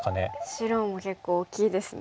白も結構大きいですね。